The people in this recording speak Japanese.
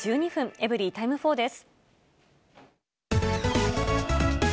エブリィタイム４です。